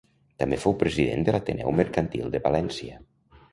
També fou president de l'Ateneu Mercantil de València.